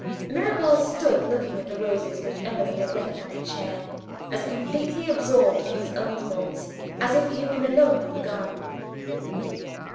Mirabel stood, looking at the roses which Emily had left on her chair, as completely absorbed in his own thoughts as if he had been alone in the garden.